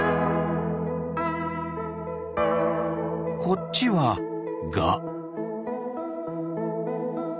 こっちはガ。